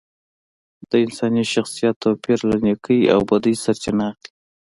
د انساني شخصیت توپیر له نیکۍ او بدۍ سرچینه اخلي